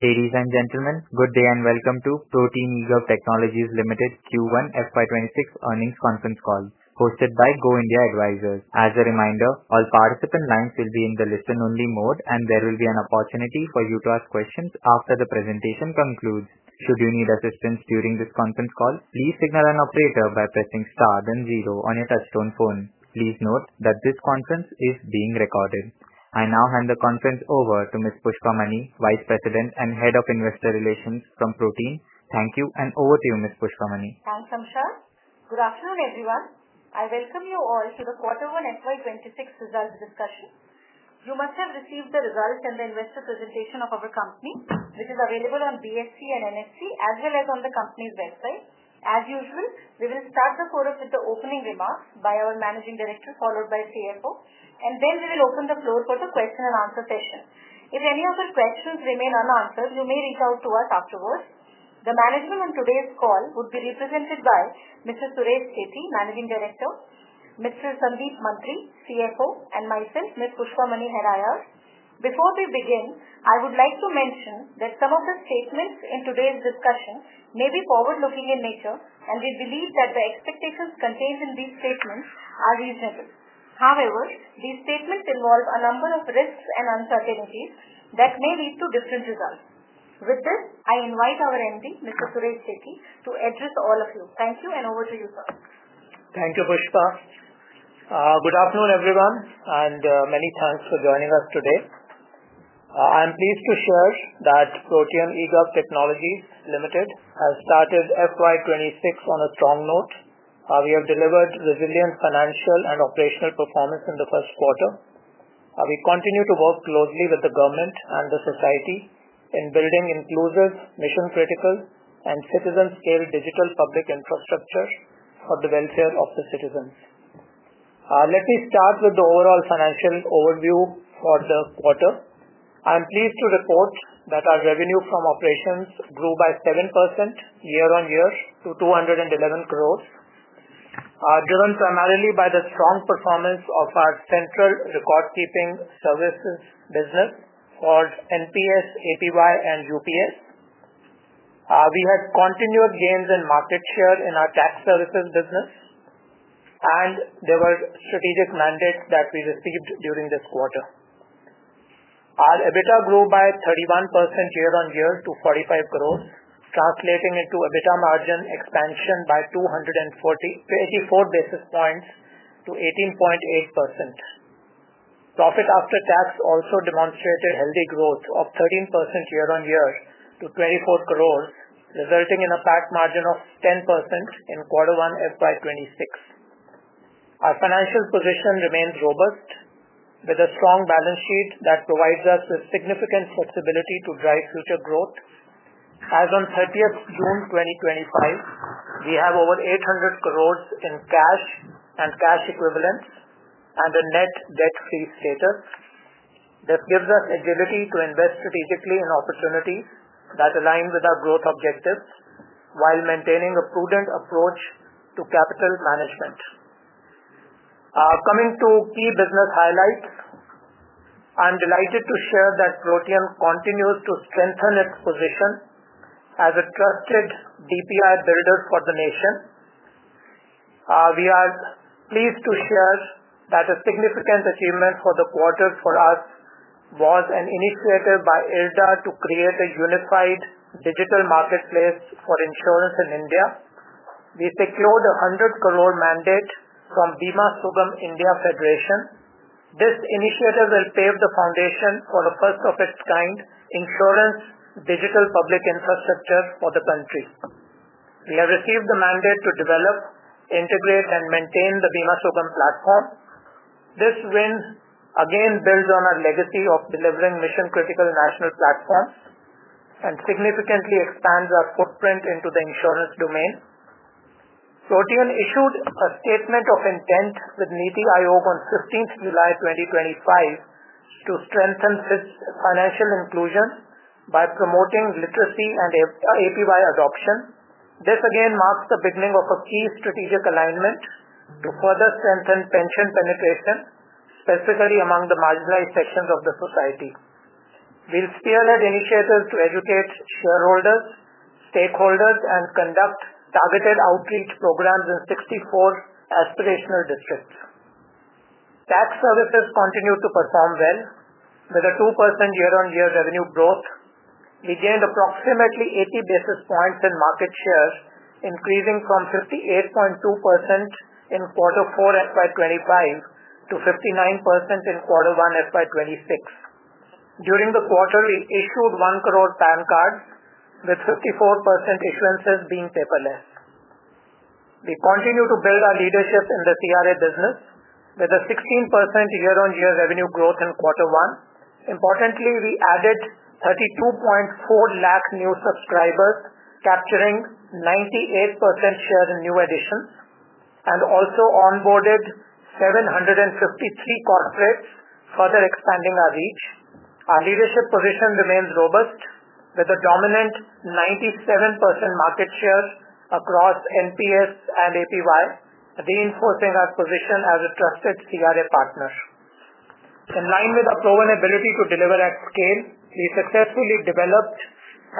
Ladies and gentlemen, good day and welcome to Protean eGov Technologies Ltd's Q1 FY26 Earnings Conference Call, hosted by Go India Advisors. As a reminder, all participant lines will be in the listen-only mode, and there will be an opportunity for you to ask questions after the presentation concludes. If you do need assistance during this conference call, please signal an operator by pressing star then zero on your touch-tone phone. Please note that this conference is being recorded. I now hand the conference over to Ms. Pushpa Mani, Vice President & Head of Investor Relations from Protean. Thank you and over to you, Ms. Pushpa Mani. Thanks, Amshad. Good afternoon, everyone. I welcome you all to the Q1 FY26 results discussion. You must have received the results and the investor presentation of our company. It is available on BSE and NSE, as well as on the company's website. As usual, we will start the course with the opening remarks by our Managing Director, followed by CFO, and then we will open the floor for the question and answer session. If any of your questions remain unanswered, you may reach out to us afterwards. The management on today's call will be represented by Mr. Suresh Sethi, Managing Director, Mr. Sandeep Mantri, CFO, and myself, Ms. Pushpa Mani here. Before we begin, I would like to mention that some of the statements in today's discussion may be forward-looking in nature, and we believe that the expectations contained in these statements are reasonable. However, these statements involve a number of risks and uncertainties that may lead to different results. With this, I invite our MD, Mr. Suresh Sethi, to address all of you. Thank you and over to you, sir. Thank you, Pushpa. Good afternoon, everyone, and many thanks for joining us today. I am pleased to share that Protean eGov Technologies Ltd has started FY26 on a strong note. We have delivered resilient financial and operational performance in the first quarter. We continue to work closely with the government and the society in building inclusive, mission-critical, and citizen-scale digital public infrastructure for the welfare of the citizens. Let me start with the overall financial overview for the quarter. I am pleased to report that our revenue from operations grew by 7% year-on-year to 211 crore, driven primarily by the strong performance of our Central Record Keeping services business for NPS, APY, and the UPS platform. We had continued gains in market share in our [tax] services business, and there was a strategic mandate that we received during this quarter. Our EBITDA grew by 31% year-on-year to INR 45 crore, translating into EBITDA margin expansion by 24 basis points to 18.8%. Profit after tax also demonstrated healthy growth of 13% year-on-year to 24 crore, resulting in a PAT margin of 10% in Q1 FY26. Our financial position remains robust, with a strong balance sheet that provides us with significant flexibility to drive future growth. As of 30th June 2025, we have over 800 crore in cash and cash equivalents and a net debt-free status. That gives us agility to invest strategically in opportunities that align with our growth objectives while maintaining a prudent approach to capital management. Coming to key business highlights, I'm delighted to share that Protean continues to strengthen its position as a trusted DPI builder for the nation. We are pleased to share that a significant achievement for the quarter for us was an initiative by IRDA to create a unified digital marketplace for insurance in India. We secured a 100 crore mandate from Bima Sugam India Federation. This initiative will pave the foundation for the first of its kind insurance digital public infrastructure for the country. We have received the mandate to develop, integrate, and maintain the Bima Sugam platform. This win again builds on our legacy of delivering mission-critical national platforms and significantly expands our footprint into the insurance domain. Protean issued a statement of intent with NITI Aayog on 15th July 2025 to strengthen its financial inclusion by promoting literacy and APY adoption. This again marks the beginning of a key strategic alignment to further strengthen pension penetration, specifically among the marginalized sections of the society. We'll steer the initiatives to educate shareholders, stakeholders, and conduct targeted outreach programs in 64 aspirational districts. Tax services continue to perform well with a 2% year-on-year revenue growth. We gained approximately 80 basis points in market share, increasing from 58.2% in Q4 FY25 to 59% in Q1 FY26. During the quarter, we issued 1 crore PAN cards, with 54% issuances being paperless. We continue to build our leadership in the CRA business with a 16% year-on-year revenue growth in Q1. Importantly, we added 32.4 lakh new subscribers, capturing 98% share in new additions, and also onboarded 753 corporates, further expanding our reach. Our leadership position remains robust, with a dominant 97% market share across NPS and APY, reinforcing our position as a trusted CRA partner. In line with our proven ability to deliver at scale, we successfully developed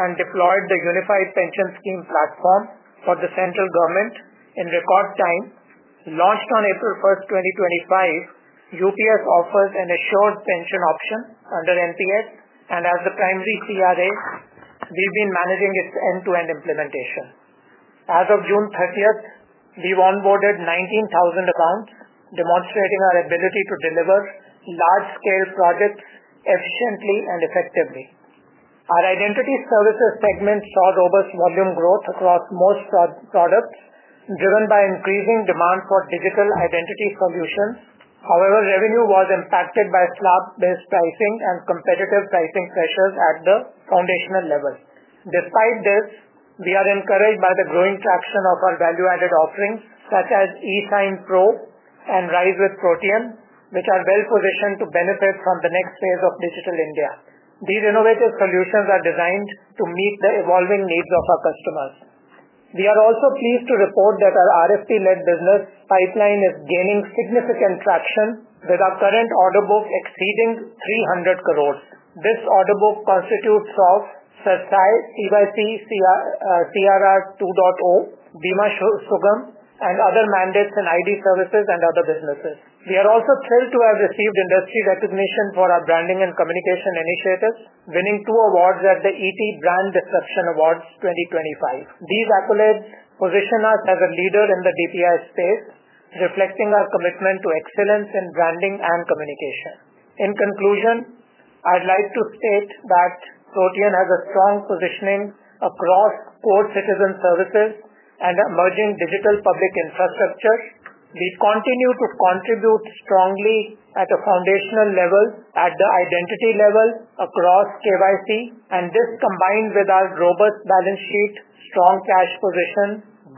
and deployed the Unified Pension Scheme platform for the central government in record time. Launched on April 1st, 2025, UPS offers an assured pension option under NPS, and as the primary CRA, we've been managing its end-to-end implementation. As of June 30th, we've onboarded 19,000 accounts, demonstrating our ability to deliver large-scale projects efficiently and effectively. Our identity services segment saw robust volume growth across most products, driven by increasing demand for digital identity solutions. However, revenue was impacted by flat-based pricing and competitive pricing pressures at the foundational level. Despite this, we are encouraged by the growing traction of our value-added offerings, such as eSign Pro and RISE with Protean, which are well-positioned to benefit from the next phase of Digital India. These innovative solutions are designed to meet the evolving needs of our customers. We are also pleased to report that our RFP-led business pipeline is gaining significant traction, with our current order book exceeding 300 crore. This order book constitutes of CERSAI, CKY-CRR 2.0, Bima Sugam, and other mandates in ID services and other businesses. We are also thrilled to have received industry recognition for our branding and communication initiative, winning two awards at the ET Brand Disruption Awards 2025. These accolades position us as a leader in the DPI space, reflecting our commitment to excellence in branding and communication. In conclusion, I'd like to state that Protean has a strong positioning across core citizen services and emerging digital public infrastructure. We continue to contribute strongly at a foundational level, at the identity level across KYC, and this combined with our robust balance sheet, strong cash position,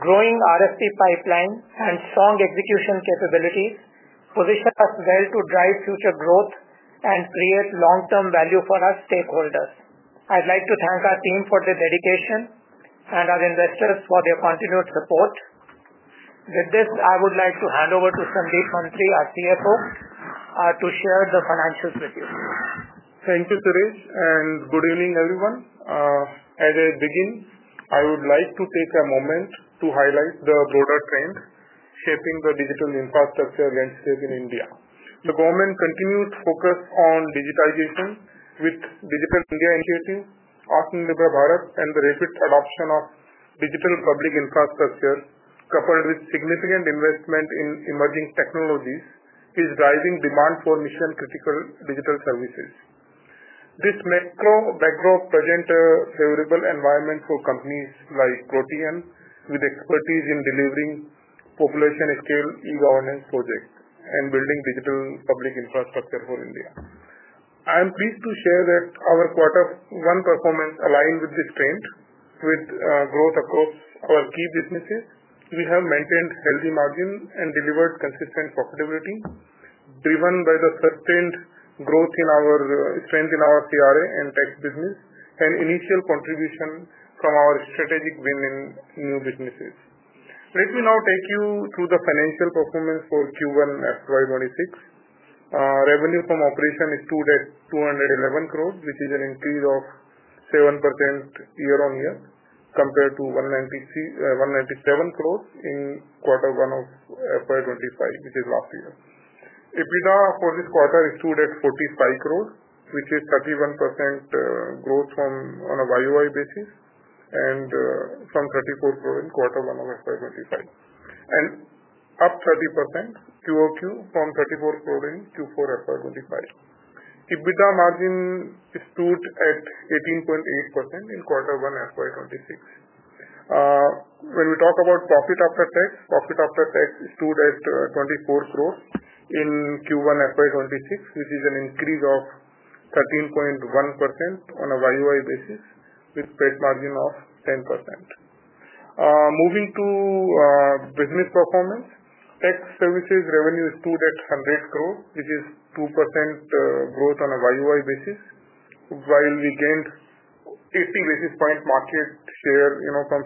growing RFP pipeline, and strong execution capabilities position us well to drive future growth and create long-term value for our stakeholders. I'd like to thank our team for their dedication and our investors for their continued support. With this, I would like to hand over to Sandeep Mantri, our CFO, to share the financials with you. Thank you, Suresh, and good evening, everyone. As I begin, I would like to take a moment to highlight the broader trends shaping the digital infrastructure landscape in India. The government's continued focus on digitization with Digital India Initiative, Atmanirbhar Bharat, and the rapid adoption of digital public infrastructure, coupled with significant investment in emerging technologies, is driving demand for mission-critical digital services. This macro backdrop presents a favorable environment for companies like Protean, with expertise in delivering population-scale e-governance projects and building digital public infrastructure for India. I am pleased to share that our Q1 performance aligns with this trend, with growth across our key businesses. We have maintained healthy margins and delivered consistent profitability, driven by the sustained growth in our trends in our CRA and tax business and initial contribution from our strategic win in new businesses. Let me now take you through the financial performance for Q1 FY2026. Revenue from operations stood at 211 crore, which is an increase of 7% year-on-year compared to 197 crore in quarter one of FY2025, which is last year. EBITDA for this quarter stood at 45 crore, which is 31% growth on a YoY basis from INR 34 crore in quarter one of FY2025, and up 30% QoQ from 34 crore in Q4 FY2025. EBITDA margin stood at 18.8% in quarter one FY2026. When we talk about profit after tax, profit after tax stood at 24 crore in Q1 FY2026, which is an increase of 13.1% on a YoY basis with a trade margin of 10%. Moving to business performance, tax services revenue stood at 100 crore, which is 2% growth on a YoY basis, while we gained 50 basis points market share from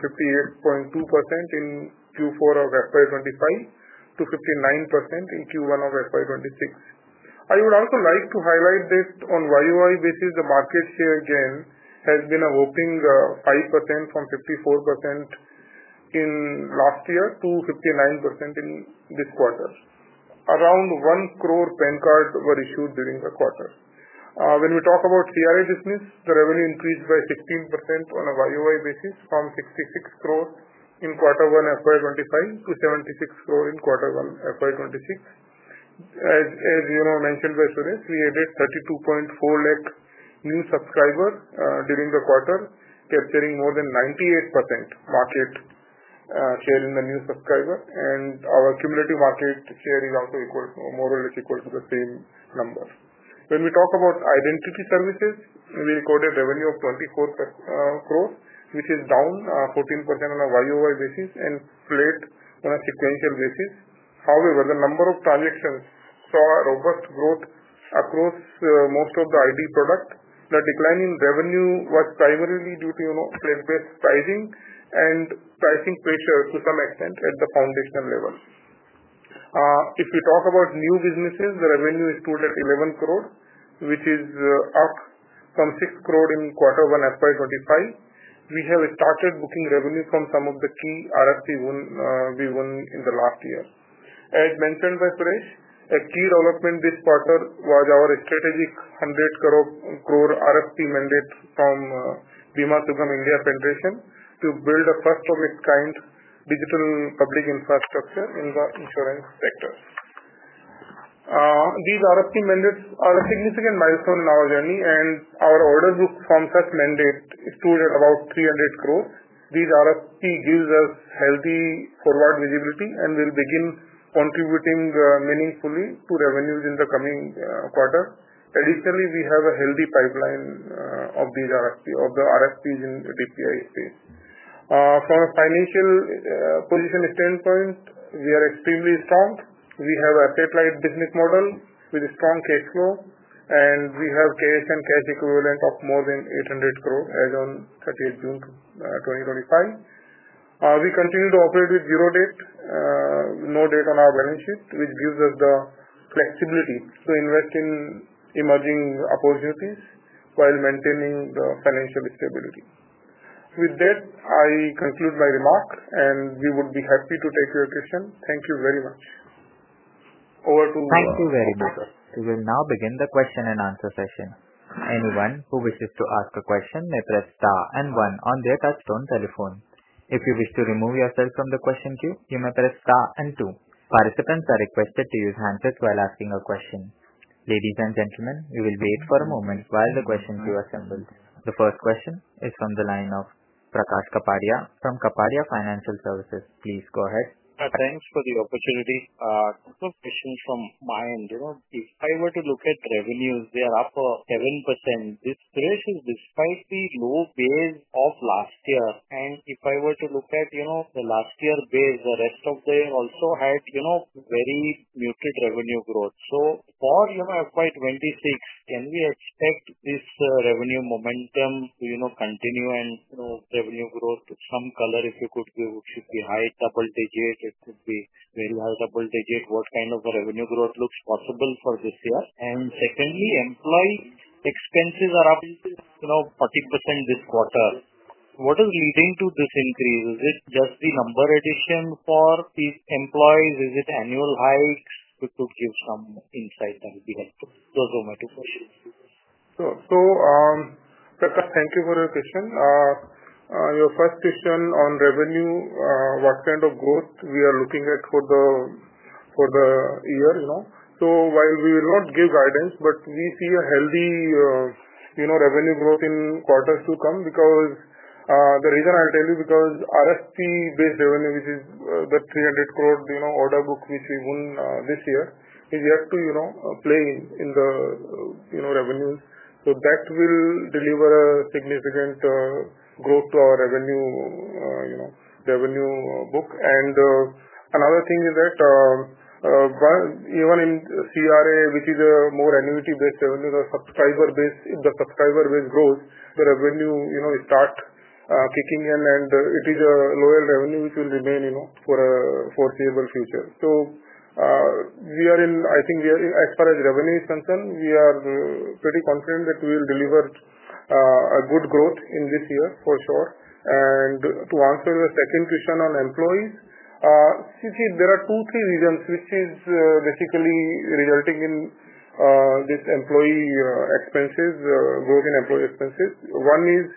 58.2% in Q4 of FY2025 to 59% in Q1 of FY2026. I would also like to highlight this on YoY basis. The market share gain has been a whopping 5% from 54% in last year to 59% in this quarter. Around 1 crore PAN cards were issued during the quarter. When we talk about CRA business, the revenue increased by 16% on a YoY basis from 66 crore in quarter one FY2025 to 76 crore in quarter one FY2026. As you know, mentioned by Suresh, we added 32.4 lakh new subscribers during the quarter, capturing more than 98% market share in the new subscribers, and our cumulative market share is also more or less equal to the same numbers. When we talk about identity services, we recorded a revenue of 24 crore, which is down 14% on a YoY basis and flat on a sequential basis. However, the number of transactions saw robust growth across most of the ID product. The decline in revenue was primarily due to place-based pricing and pricing pressure to some extent at the foundational level. If we talk about new businesses, the revenue is stood at 11 crore, which is up from 6 crore in quarter one FY2025. We have started booking revenue from some of the key RFPs we won in the last year. As mentioned by Suresh, a key development this quarter was our strategic 100 crore RFP mandate from Bima Sugam India Federation to build the first of its kind digital public infrastructure in the insurance sector. These RFP mandates are a significant milestone in our journey, and our order book from such mandates is stood at about 300 crore. These RFPs give us healthy forward visibility and will begin contributing meaningfully to revenues in the coming quarter. Additionally, we have a healthy pipeline of these RFPs in the digital public infrastructure space. From a financial position standpoint, we are extremely strong. We have a pipeline business model with a strong cash flow, and we have cash and cash equivalents of more than 800 crore as of 30th June 2025. We continue to operate with zero debt, no debt on our balance sheet, which gives us the flexibility to invest in emerging opportunities while maintaining the financial stability. With that, I conclude my remarks, and we would be happy to take your questions. Thank you very much. Over to you. Thank you very much. We will now begin the question and answer session. Anyone who wishes to ask a question may press star and one on their touch-tone telephone. If you wish to remove yourself from the question queue, you may press star and two. Participants are requested to use handsets while asking a question. Ladies and gentlemen, we will wait for a moment while the question queue assembles. The first question is from the line of Prakash Kapadia from Kapadia Financial Services. Please go ahead. Thanks for the opportunity. A couple of questions from my end. If I were to look at revenues, they are up 7%. This is despite the low pairs of last year. If I were to look at the last year pairs, the rest of the year also has very muted revenue growth. For FY2026, can we expect this revenue momentum to continue and revenue growth to some color? If it could be, it should be high double digits. It could be very high double digits. What kind of a revenue growth looks possible for this year? Secondly, employee expenses are up to 40% this quarter. What does it mean to this increase? Is it just the number addition for these employees? Is it annual hikes? It could give some insight. Thank you. Prakash, thank you for your question. Your first question on revenue, what kind of growth we are looking at for the year, you know? While we will not give guidance, we see a healthy, you know, revenue growth in quarters to come because the reason I'll tell you is because RFP-based revenue, which is the 300 crore order book which we won this year, is yet to, you know, play in the, you know, revenues. That will deliver a significant growth to our revenue, you know, book. Another thing is that even in CRA, which is a more annuity-based revenue, if the subscriber base grows, the revenue, you know, is start picking in, and it is a loyal revenue which will remain, you know, for a foreseeable future. As far as revenue is concerned, we are pretty confident that we will deliver a good growth in this year for sure. To answer the second question on employees, there are two, three reasons which is basically resulting in this employee expenses, growth in employee expenses. One is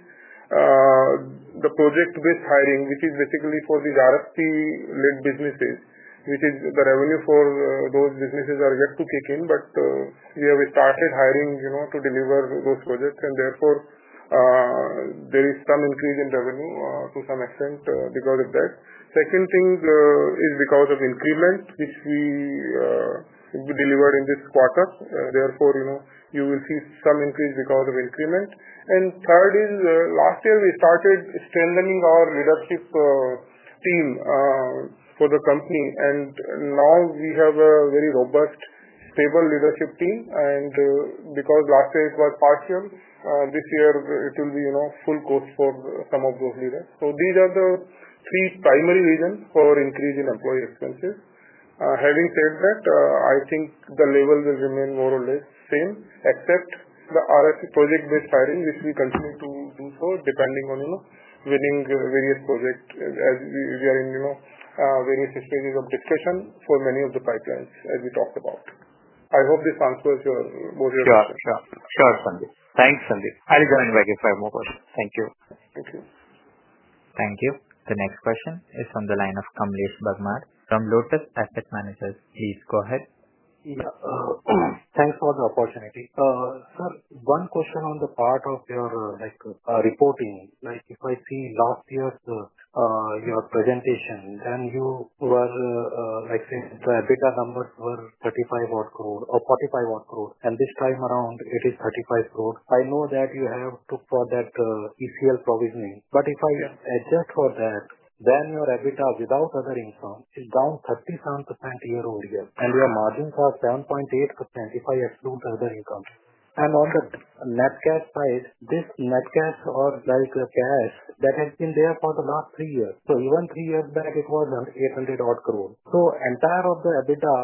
the project-based hiring, which is basically for these RFP-led businesses, which is the revenue for those businesses are yet to kick in, but we have started hiring, you know, to deliver those projects, and therefore, there is some increase in revenue, to some extent, because of that. Second thing is because of increment, which we delivered in this quarter. Therefore, you know, you will see some increase because of increment. Third is, last year, we started strengthening our leadership team for the company. Now we have a very robust, stable leadership team. Because last year it was partial, this year it will be, you know, full course for some of those leaders. These are the three primary reasons for our increase in employee expenses. Having said that, I think the level will remain more or less the same, except the RFP project-based hiring, which we continue to do so depending on, you know, winning various projects as we are in, you know, various stages of discussion for many of the pipelines as we talked about. I hope this answers both your questions. Sure, Sandeep. Thanks, Sandeep. I'll go and verify more. Thank you. Thank you. The next question is from the line of Kamlesh Bagmar from Lotus Asset Managers. Please go ahead. Yeah. Thanks for the opportunity. Sir, one question on the part of your reporting. Like, if I see last year, your presentation, then you were, I think the EBITDA number was 35 crore or 45 crore. This time around, it is 35 crore. I know that you have to put that ECL provisioning. If I adjust for that, then your EBITDA without other income is down 37% year-over-year. Your margins are 7.8% if I exclude the other income. On the net cash price, these net cash are like cash that has been there for the last three years. Even three years back, it was 800 crore. Entire of the EBITDA,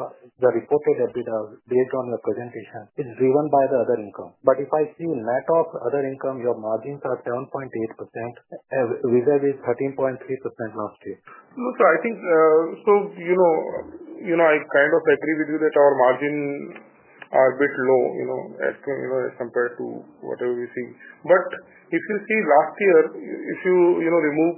the report of EBITDA based on your presentation is driven by the other income. If I see net of other income, your margins are 7.8% vis-à-vis 13.3% last year. I think, you know, I kind of agree with you that our margins are a bit low, you know, as compared to whatever we see. If you see last year, if you remove,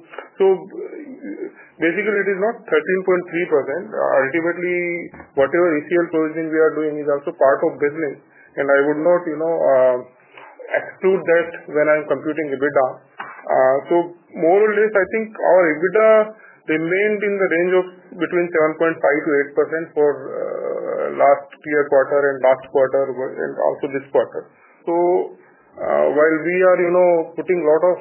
basically, it is not 13.3%. Ultimately, whatever ECL provisioning we are doing is also part of business. I would not exclude that when I'm computing EBITDA. More or less, I think our EBITDA remained in the range of between 7.5%-8% for last year's quarter and last quarter and also this quarter. While we are putting a lot of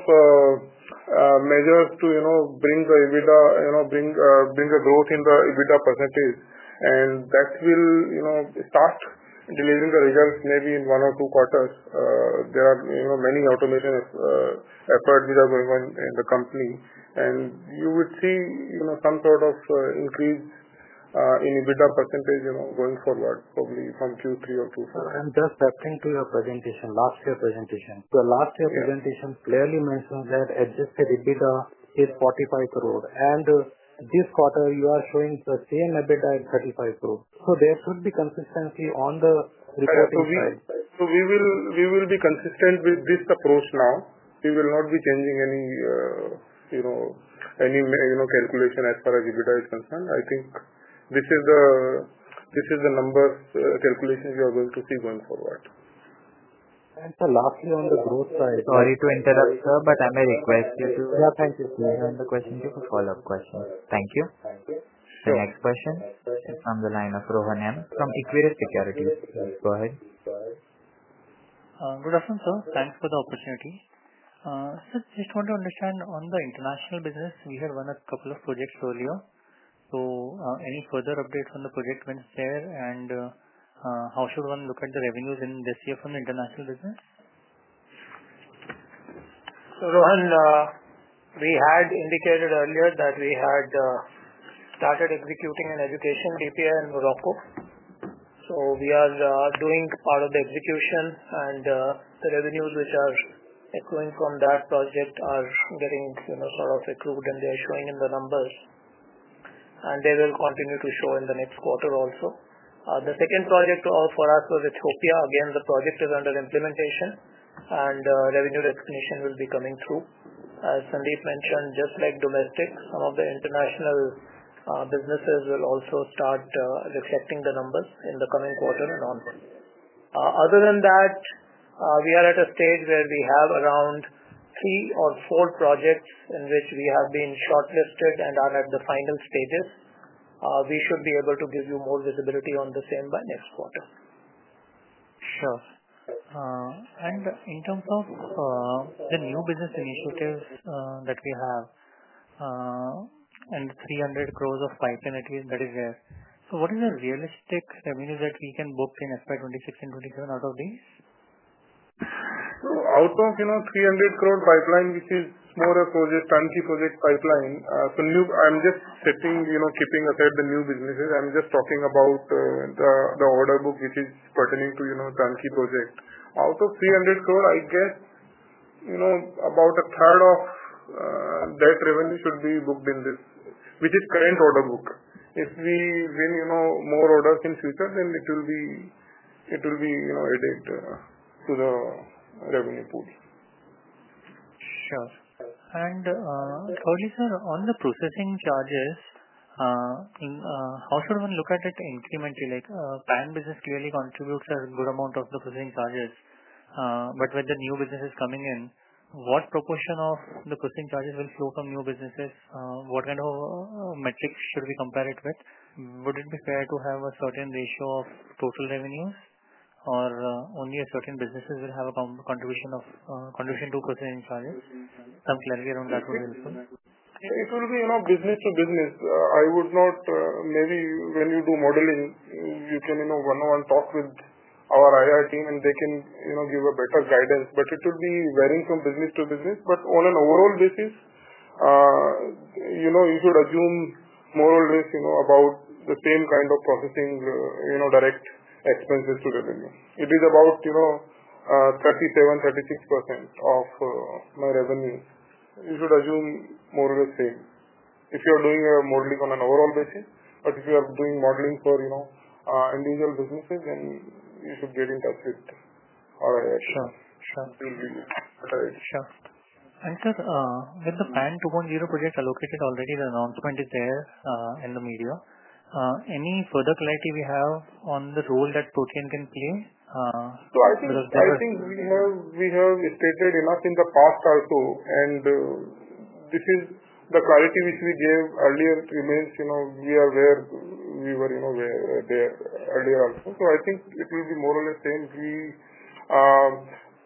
measures to bring the EBITDA, bring the growth in the EBITDA percentage, that will start delivering the results maybe in one or two quarters. There are many automation efforts that are going on in the company. You would see some sort of increase in EBITDA percentage going forward, probably from Q3 or Q4. I'm just referring to your presentation, last year's presentation. Last year's presentation clearly mentioned that adjusted EBITDA is 45 crore. This quarter, you are showing the same EBITDA at 35 crore. There could be consistency on the report. We will be consistent with this approach now. We will not be changing any, you know, calculation as far as EBITDA is concerned. I think this is the number calculations you are going to see going forward. Last year on the growth side. Sorry to interrupt, sir, but I may request you to. Thank you, please. The question queue for follow-up questions. Thank you. The next question is from the line of Rohan M. from Equirus Securities. Please go ahead. Good afternoon, sir. Thanks for the opportunity. Sir, just want to understand on the international business. We had won a couple of projects earlier. Any further updates on the project wins there? How should one look at the revenues in this year from the international business? Rohan, we had indicated earlier that we had started executing an education DPI in Morocco. We are doing part of the execution, and the revenues which are accruing from that project are getting accrued, and they're showing in the numbers. They will continue to show in the next quarter also. The second project for us was Ethiopia. Again, the project is under implementation, and revenue recognition will be coming through. As Sandeep mentioned, just like domestic, some of the international businesses will also start reflecting the numbers in the coming quarter and on. Other than that, we are at a stage where we have around three or four projects in which we have been shortlisted and are at the final stages. We should be able to give you more visibility on the same by next quarter. Sure. In terms of the new business initiative that we have, and 300 crores of pipeline at least that is there, what is a realistic revenue that we can book in FY 2026 and 2027 out of these? Out of, you know, 300 crores pipeline, which is more a project, 20 project pipeline. To new, I'm just setting, you know, keeping aside the new businesses. I'm just talking about the order book which is pertaining to, you know, 20 projects. Out of 300 crores, I guess, you know, about a third of that revenue should be booked in this, which is current order book. If we win, you know, more orders in future, then it will be, it will be, you know, added to the revenue pool. On the processing charges, how should one look at it incrementally? PAN business clearly contributes a good amount of the processing charges, but with the new businesses coming in, what proportion of the processing charges will flow from new businesses? What kind of metrics should we compare it with? Would it be fair to have a certain ratio of total revenue, or only certain businesses will have a contribution to processing charges? Some clarity around that would be helpful. It will be, you know, business to business. I would not, maybe when you do modeling, you can, you know, one-on-one talk with our IR team, and they can, you know, give a better guidance. It will be varying from business to business. On an overall basis, you should assume more or less, you know, about the same kind of processing, you know, direct expenses to revenue. It is about 37%, 36% of my revenue. You should assume more or less same if you're doing a modeling on an overall basis. If you are doing modeling for, you know, individual businesses, then you should get into that system. Sure. Thank you. With the PAN 2.0 projects allocated already, the announcement is there in the media. Any further clarity we have on the role that Protean can play? I think.I think we have iterated enough in the past also. This is the clarity which we gave earlier remains, you know, we are where we were earlier also. I think it will be more or less the same.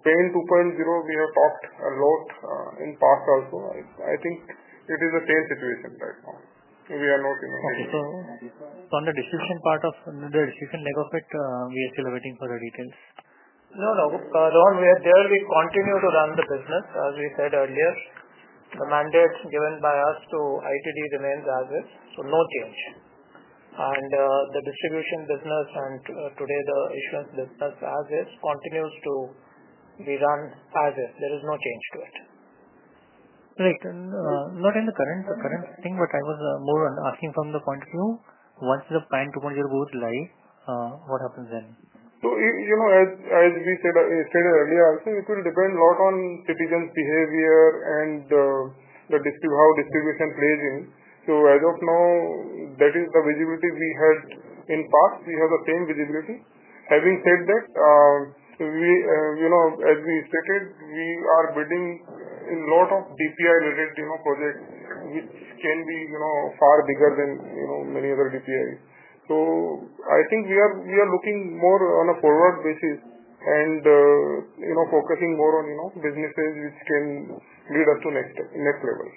PAN 2.0, we have talked a lot in the past also. I think it is the same situation right now. We are not, you know. Thank you, sir. Thank you, sir. On the distribution part of the distribution leg of it, we are still waiting for the details. No, Rohan, we are there. We continue to run the business. As we said earlier, the mandate given by us to ITD remains as is. There is no change. The distribution business and today the insurance business as is continues to be run as is. There is no change to it. Great. I was more on asking from the point of view, once the PAN 2.0 goes live, what happens then? As we said earlier also, it will depend a lot on the business behavior and how distribution plays in. I don't know. That is the visibility we had in the past. We have the same visibility. Having said that, as we stated, we are bidding a lot of DPI-related projects, which can be far bigger than many other DPIs. I think we are looking more on a forward basis and focusing more on businesses which can lead up to next step in that level.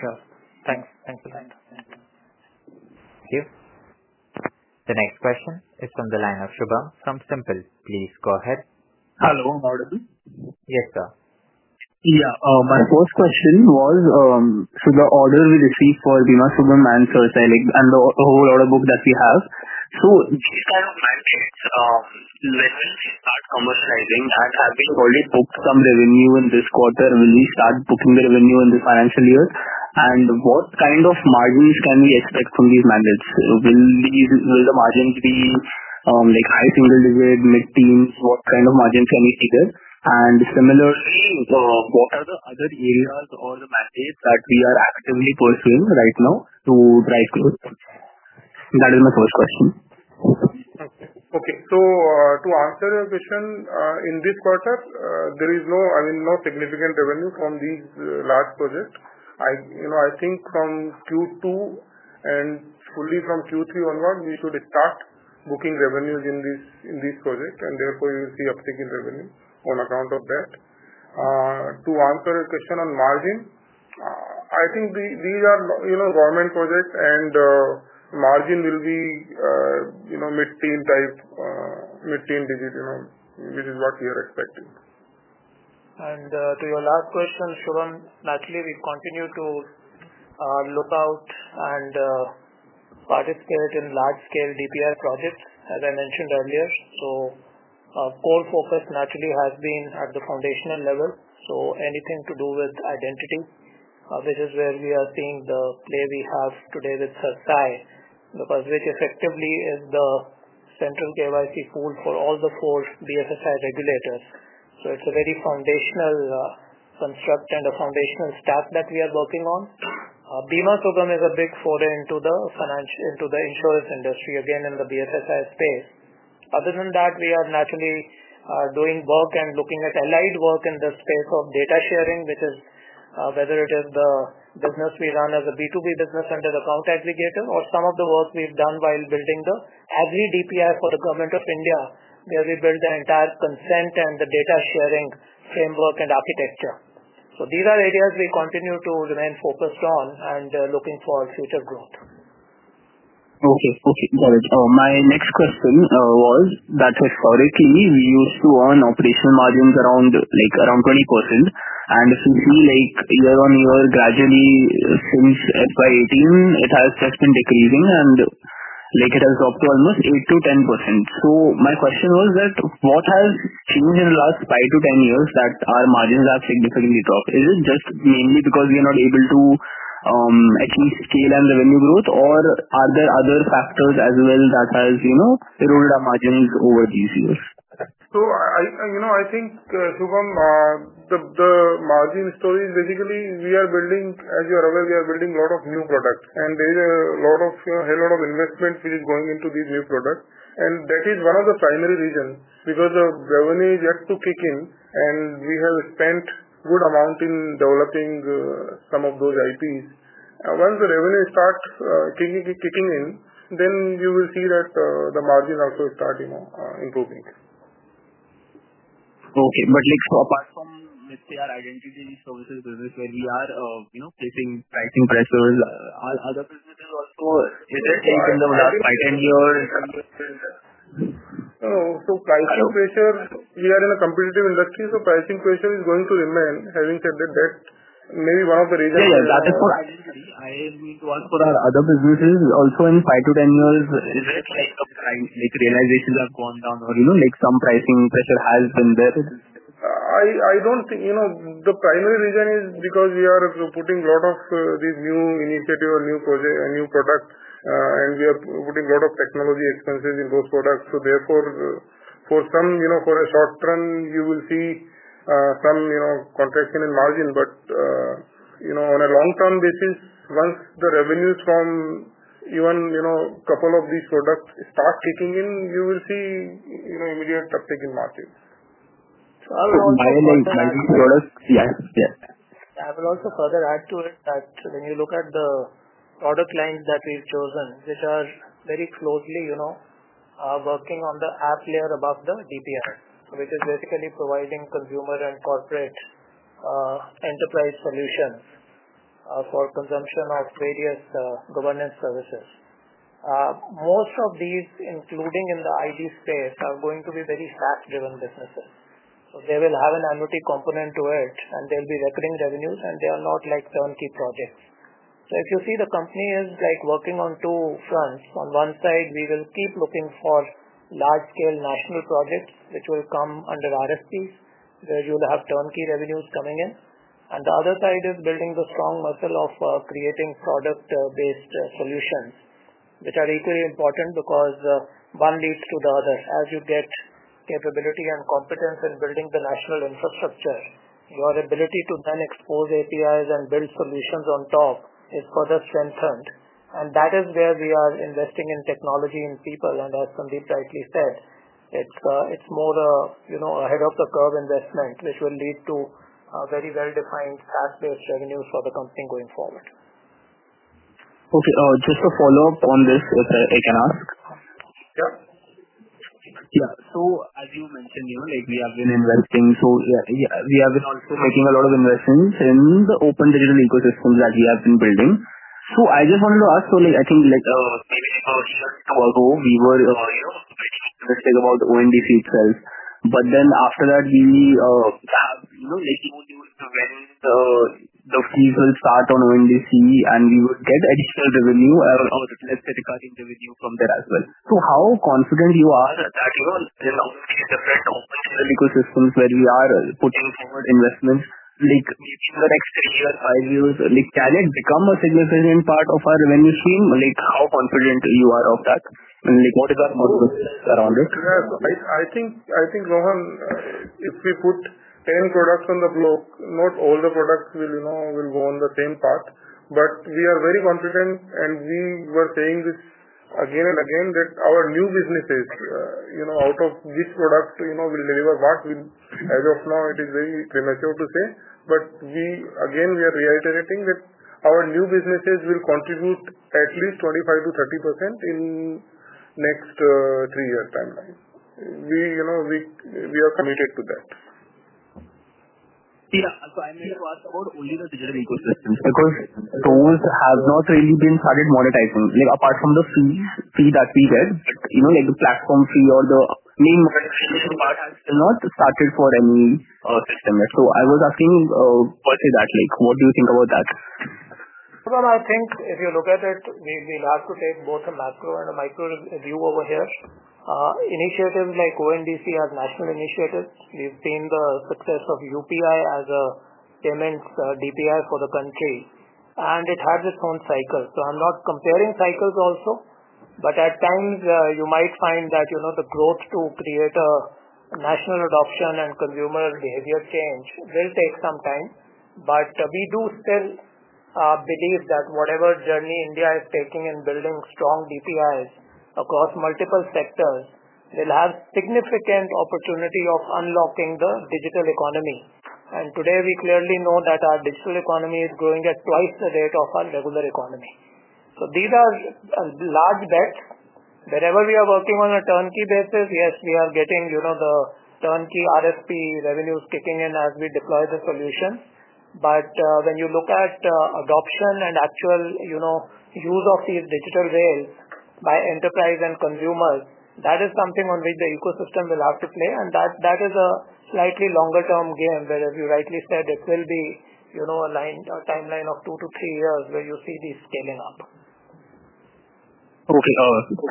Sure, thanks. Thanks a lot. Thank you. The next question is from the line of Shubham. Some Simpl, please go ahead. Hello. How did you? Yes, sir. Yeah. My first question was, should the order we receive for Bima Sugam and CERSAI, and the whole order book that we have, which is kind of management, when we start commercializing, and I think only hope to come revenue in this quarter when we start booking the revenue in the financial year. What kind of margins can we expect from these mandates? Will the margins be, like high single-digit, mid-teens? What kind of margins can we see there? Similarly, what are the other areas or the mandates that we are actively pursuing right now to drive growth? That is my first question. Okay. Okay. To answer your question, in this quarter, there is no, I mean, no significant revenue from these large projects. I think from Q2 and only from Q3 onward, we should start booking revenues in these projects, and therefore, you will see uptick in revenue on account of that. To answer your question on margin, I think these are government projects, and margin will be mid-teen type, mid-teen digit, which is what we are expecting. To your last question, Shubham, we continue to look out and participate in large-scale DPI projects, as I mentioned earlier. Our core focus has been at the foundational level. Anything to do with identity, which is where we are seeing the play we have today with CERSEI, because it effectively is the central KYC pool for all the four BFSI regulators. It is a very foundational construct and a foundational step that we are working on. Bima Sugam is a big foray into the insurance industry, again, in the BFSI space. Other than that, we are doing work and looking at allied work in the space of data sharing, whether it is the business we run as a B2B business under the accounts aggregator or some of the work we've done while building the every DPI for the government of India, where we built the entire consent and the data sharing framework and architecture. These are areas we continue to remain focused on and looking for future growth. Okay. Got it. My next question was that historically, we used to own operational margins around 20%. Since we year-on-year gradually switched by 18, it has just been decreasing, and it has dropped to almost 8%-10%. My question was that what has changed in the last 5-10 years that our margins have significantly dropped? Is it just mainly because we are not able to see scale and the revenue growth, or are there other factors as well that have eroded our margins over these years? I think, Shubham, the margin story is basically we are building, as you're aware, we are building a lot of new products. There is a lot of investment which is going into these new products. That is one of the primary reasons because the revenue is yet to kick in, and we have spent a good amount in developing some of those IPs. Once the revenue starts kicking in, then you will see that the margins also start improving. Okay. Apart from, let's say, our identity services business where we are facing pricing pressures, are there other businesses also interesting in the last 5-10 years? Pricing pressure, we are in a competitive industry, so pricing pressure is going to remain. Having said that, that may be one of the reasons that. I just need to ask for our other businesses also, in 5-10 years, is it like realizations have gone down, or, you know, like some pricing pressure has been there? I don't think the primary reason is because we are putting a lot of these new initiatives or new projects and new products, and we are putting a lot of technology expenses in those products. Therefore, for a short term, you will see some contraction in margin. On a long-term basis, once the revenues from even a couple of these products start kicking in, you will see immediate uptick in margins. I will also further add to it that when you look at the product lines that we've chosen, which are very closely working on the app layer above the digital public infrastructure, which is basically providing consumer and corporate, enterprise solutions for consumption of various governance services. Most of these, including in the ID space, are going to be very SaaS-driven businesses. They will have an MRP component to it, and they'll be recording revenues, and they are not like turnkey projects. If you see, the company is working on two fronts. On one side, we will keep looking for large-scale national projects, which will come under RFPs, where you'll have turnkey revenues coming in. The other side is building the strong muscle of creating product-based solutions, which are equally important because one leads to the other. As you get capability and competence in building the national infrastructure, your ability to then expose APIs and build solutions on top is further strengthened. That is where we are investing in technology and people. As Sandeep rightly said, it's more an ahead-of-the-curve investment, which will lead to a very well-defined SaaS-based revenue for the company going forward. Okay. Oh, just a follow-up on this that I can ask. Sure. As you mentioned, we have been investing, and we have also been making a lot of investments in the open digital ecosystem that we have been building. I just wanted to ask, I think just two years ago, we were mistaken about the ONDC 12th. After that, when the fees will start on ONDC, we will get additional revenue or at least a recurring revenue from there as well. How confident are you that instead of different ecosystems where we are putting forward investment, in the next three years or five years, can it become a significant part of our revenue stream? How confident are you of that, and what is our model around it? I think, Rohan, if we put 10 products on the block, not all the products will go on the same path. We are very confident, and we were saying this again and again that our new businesses, out of these products, will deliver what will, as of now, it is very premature to say. We are reiterating that our new businesses will contribute at least 25%-30% in the next three years' timeline. We are committed to that. Yeah, I may just ask about all the digital ecosystems because those have not really been started monetizing. Apart from the fee that we get, you know, like the platform fee or the Bima Sugam market, it has not started for any system. I was asking per se, what do you think about that? I think if you look at it, we'll have to take both a macro and a micro view over here. Initiatives like ONDC are national initiatives. We've seen the success of UPI as a payment DPI for the country, and it has its own cycles. I'm not comparing cycles also. At times, you might find that the growth to create a national adoption and consumer behavior change will take some time. We do still believe that whatever journey India is taking in building strong DPIs across multiple sectors will have significant opportunity of unlocking the digital economy. Today, we clearly know that our digital economy is growing at twice the rate of our regular economy. These are large bets. Wherever we are working on a turnkey basis, yes, we are getting the turnkey RFP revenues kicking in as we deploy the solutions. When you look at adoption and actual use of these digital rails by enterprise and consumers, that is something on which the ecosystem will have to play. That is a slightly longer-term game where we rightly said it will be a timeline of two to three years where you see these scaling up. Okay,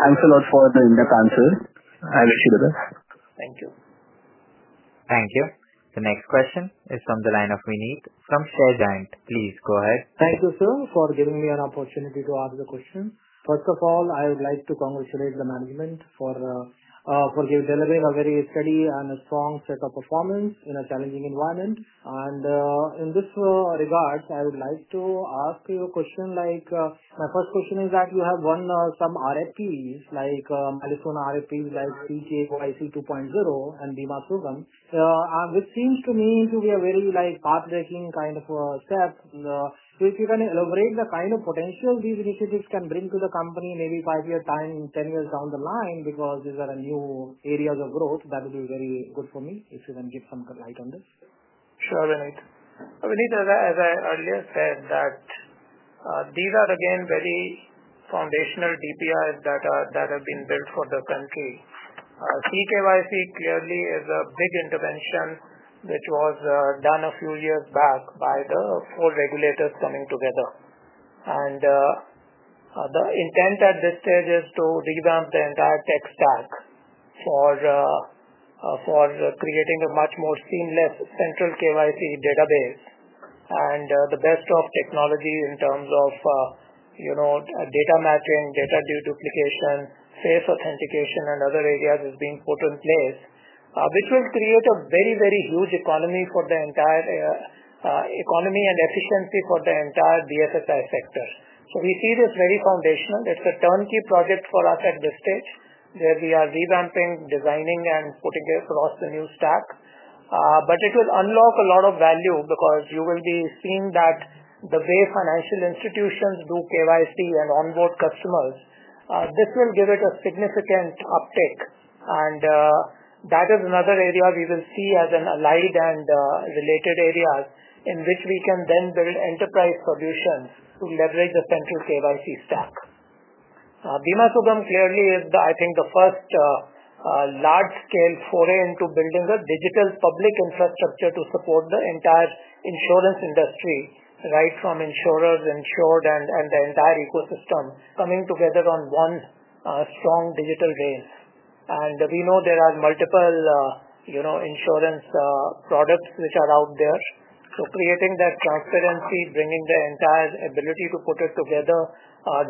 thanks a lot for the in-depth answers. I appreciate it. Thank you. Thank you. The next question is from the line of [Raneet from So Bank]. Please go ahead. Thank you, sir, for giving me an opportunity to ask the question. First of all, I would like to congratulate the management for delivering a very steady and a strong set of performance in a challenging environment. In this regard, I would like to ask you a question. My first question is that you have won some RFPs, like telephone RFPs like eKYC 2.0 and Bima Sugam, which seems to me to be a very path-breaking kind of step. If you can elaborate the kind of potential these initiatives can bring to the company, maybe five years' time, ten years down the line, because these are new areas of growth, that would be very good for me if you can give some light on this. Sure, [Raneet]. As I earlier said, these are, again, very foundational DPIs that have been built for the country. CKYC clearly is a big intervention which was done a few years back by the core regulators coming together. The intent at this stage is to revamp the entire tech stack for creating a much more seamless central KYC database. The best of technology in terms of data matching, data deduplication, face authentication, and other areas is being put in place, which will create a very, very huge economy for the entire economy and efficiency for the entire BFSI sector. We see this as very foundational. It's a turnkey project for us at this stage where we are revamping, designing, and putting it across the new stack. It will unlock a lot of value because you will be seeing that the way financial institutions do KYC and onboard customers, this will give it a significant uptake. That is another area we will see as an allied and related area in which we can then build enterprise solutions to leverage the central KYC stack. Bima Sugam clearly is, I think, the first large-scale foray into building a digital public infrastructure to support the entire insurance industry, right from insurers and insured and the entire ecosystem coming together on one strong digital vein. We know there are multiple insurance products which are out there. Creating that transparency, bringing the entire ability to put it together,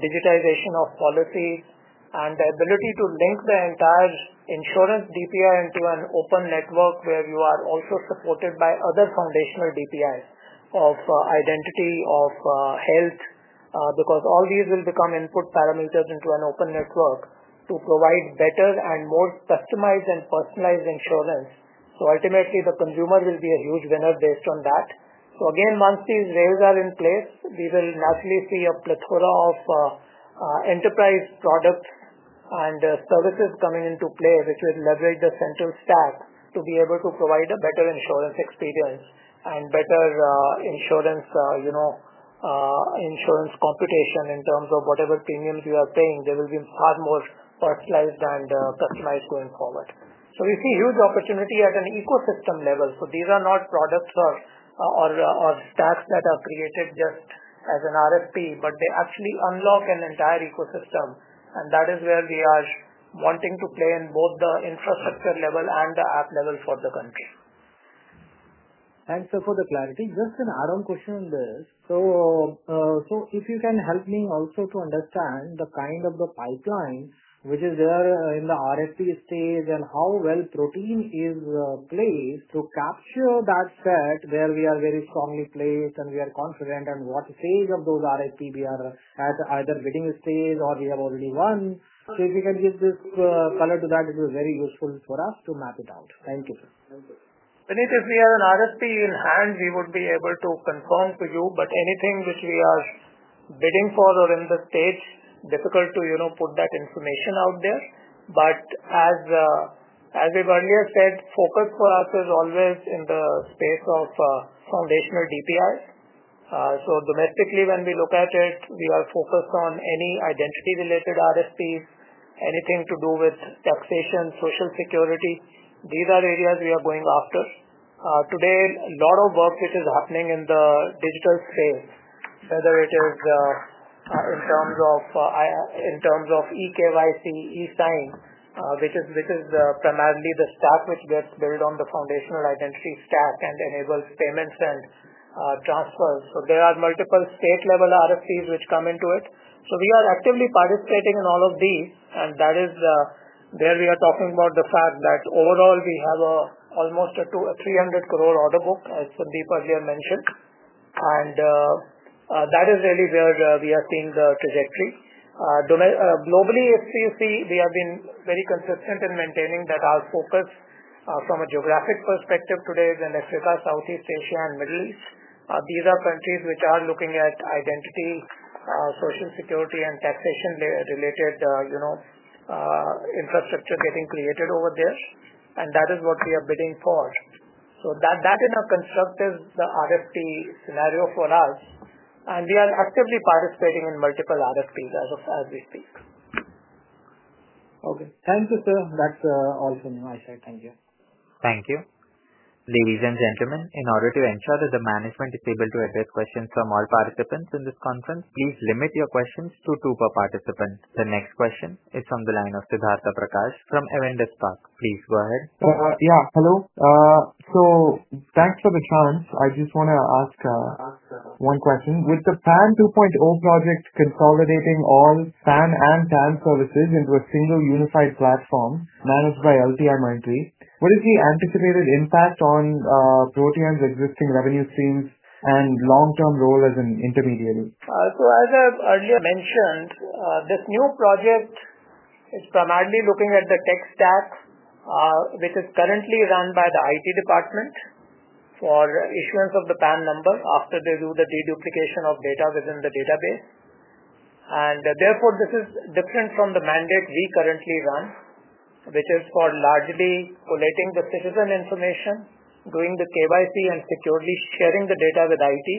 digitization of policy, and the ability to link the entire insurance DPI into an open network where you are also supported by other foundational DPIs of identity, of health, because all these will become input parameters into an open network to provide better and more customized and personalized insurance. Ultimately, the consumer will be a huge winner based on that. Once these rails are in place, we will naturally see a plethora of enterprise products and services coming into play, which will leverage the central stack to be able to provide a better insurance experience and better insurance computation in terms of whatever premiums you are paying. They will be far more personalized and customized going forward. We see huge opportunity at an ecosystem level. These are not products or stacks that are created just as an RFP, but they actually unlock an entire ecosystem. That is where we are wanting to play in both the infrastructure level and the app level for the country. For clarity, just an add-on question in this. If you can help me also to understand the kind of pipeline which is there in the RFP stage and how well Protean is placed to capture that set where we are very strongly placed and we are confident on what stage of those RFPs we are at, either bidding stage or we have already won. If you can give this color to that, it is very useful for us to map it out. Thank you, sir. Thank you. [Reneet], if we have an RFP in hand, we would be able to confirm to you. Anything which we are bidding for or in the stage, difficult to put that information out there. As we've earlier said, focus for us is always in the space of foundational DPIs. Domestically, when we look at it, we are focused on any identity-related RFP, anything to do with taxation, social security. These are areas we are going after. Today, a lot of work which is happening in the digital space, whether it is in terms of eKYC, eSign, which is primarily the stack which gets built on the foundational identity stack and enables payments and transfers. There are multiple state-level RFPs which come into it. We are actively participating in all of these. That is where we are talking about the fact that overall we have almost an 300 crore order book, as Sandeep earlier mentioned. That is really where we are seeing the trajectory. Globally, if you see, we have been very consistent in maintaining that our focus from a geographic perspective today is in Africa, Southeast Asia, and Middle East. These are countries which are looking at identity, personal security, and taxation-related infrastructure getting created over there. That is what we are bidding for. That is a constructive RFP scenario for us. We are actively participating in multiple RFPs of all these things. Okay. Thank you, sir. That's all from my side. Thank you. Thank you. Ladies and gentlemen, in order to ensure that the management is able to address questions from all participants in this conference, please limit your questions to two per participant. The next question is from the line of Siddhartha Prakash from Avendus Spark. Please go ahead. Yeah. Hello, thanks for the chance. I just want to ask one question. With the PAN 2.0 project consolidating all PAN and PAN services into a single unified platform managed by LTIMindtree, what is the anticipated impact on Protean's existing revenue streams and long-term role as an intermediary? As I earlier mentioned, this new project is primarily looking at the tech stack, which is currently run by the IT department for issuance of the PAN number after they do the deduplication of data within the database. Therefore, this is different from the mandate we currently run, which is for largely collating the citizen information, doing the KYC, and securely sharing the data with IT.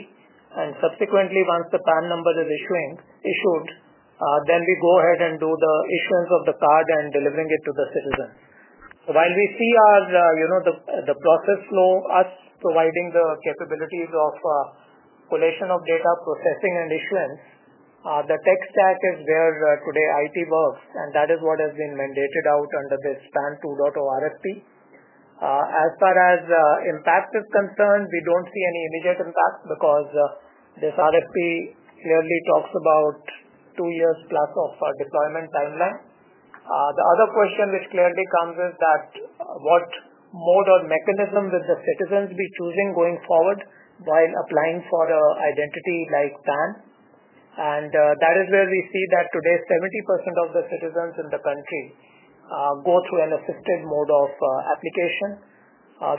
Subsequently, once the PAN number is issued, we go ahead and do the issuance of the card and delivering it to the citizen. While we see our process flow, us providing the capabilities of collation of data, processing, and issuance, the tech stack is where today IT works. That is what has been mandated out under this PAN 2.0 RFP. As far as impact is concerned, we don't see any immediate impact because this RFP clearly talks about two years plus of deployment timeline. The other question which clearly comes is what mode or mechanism will the citizens be choosing going forward while applying for an identity like PAN? That is where we see that today 70% of the citizens in the country go through an assisted mode of application,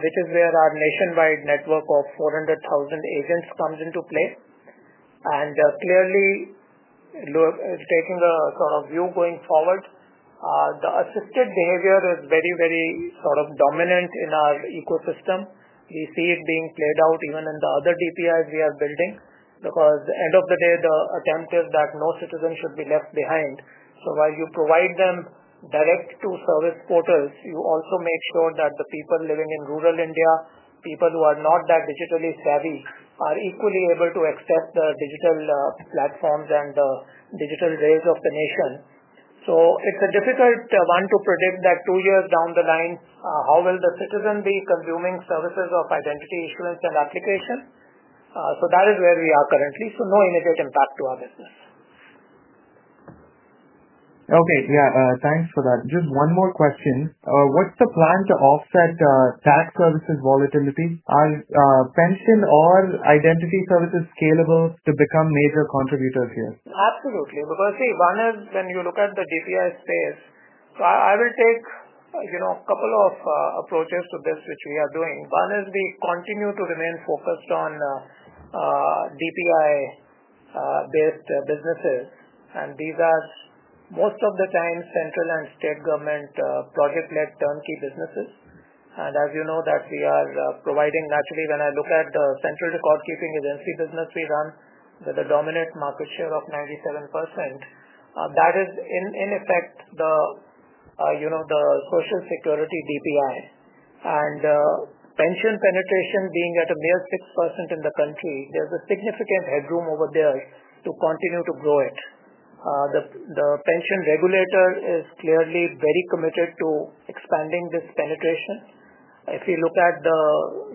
which is where our nationwide network of 400,000 agents comes into play. Clearly, it's taking the sort of view going forward. The assisted behavior is very, very dominant in our ecosystem. We see it being played out even in the other DPIs we are building because, at the end of the day, the attempt is that no citizen should be left behind. While you provide them direct to service portals, you also make sure that the people living in rural India, people who are not that digitally savvy, are equally able to access the digital platforms and the digital rails of the nation. It's a difficult one to predict that two years down the line, how will the citizen be consuming services of identity issuance and application? That is where we are currently. No immediate impact to our business. Okay. Yeah. Thanks for that. Just one more question. What's the plan to offset tax services volatility? Are Pension or Identity Services scalable to become major contributors here? Absolutely. Because see, one is when you look at the DPI space, I will take a couple of approaches to this which we are doing. One is we continue to remain focused on DPI-based businesses. These are most of the time central and state government project-led turnkey businesses. As you know, we are providing, naturally, when I look at the Central Record Keeping Agency business, we run with a dominant market share of 97%. That is in effect the social security DPI. Pension penetration being at a mere 6% in the country, there's a significant headroom over there to continue to grow it. The pension regulator is clearly very committed to expanding this penetration. If you look at the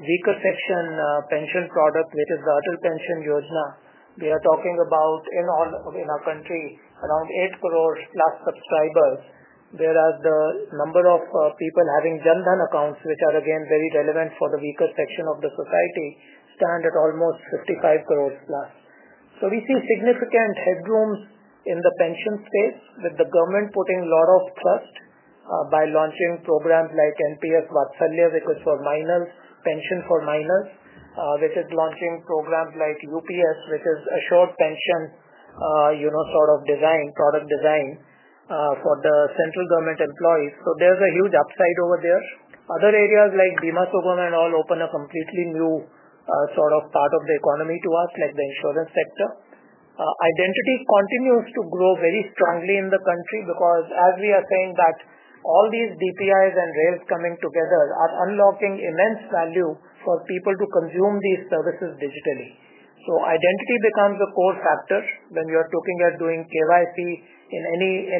weaker section pension product, which is the APY, we are talking about in all in our country around 8 crore plus subscribers. Whereas the number of people having Jan Dhan accounts, which are, again, very relevant for the weaker section of the society, stand at almost 55 crore plus. We see significant headroom in the pension space with the government putting a lot of trust by launching programs like NPS Watsanya, which was for minors, pension for minors, which is launching programs like the Unified Pension Scheme platform, which is assured pension, sort of product design for the central government employees. There's a huge upside over there. Other areas like Bima Sugam and all open a completely new sort of part of the economy to us, like the insurance sector. Identity continues to grow very strongly in the country because, as we are saying, all these DPIs and rails coming together are unlocking immense value for people to consume these services digitally. Identity becomes a core factor when you are looking at doing KYC with any